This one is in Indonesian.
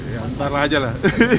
ya sebentar aja lah